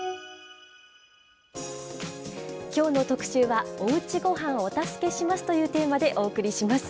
きょうの特集は、おうちごはんお助けしますというテーマでお送りします。